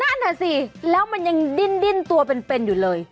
นั่นน่ะสิแล้วมันยังดิ้นตัวเป็นอยู่เลย